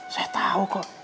saya tahu kok